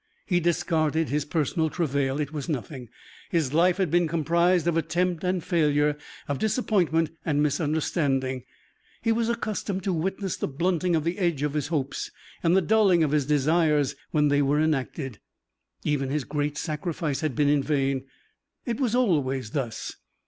He discarded his personal travail. It was nothing. His life had been comprised of attempt and failure, of disappointment and misunderstanding; he was accustomed to witness the blunting of the edge of his hopes and the dulling of his desires when they were enacted. Even his great sacrifice had been vain. It was always thus.